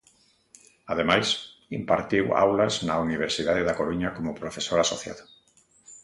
Ademais, impartiu aulas na Universidade da Coruña como profesor asociado.